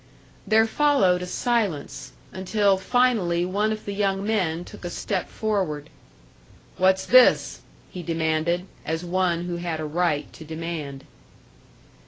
There followed a silence: until finally one of the young men took a step forward. "What's this?" he demanded, as one who had a right to demand.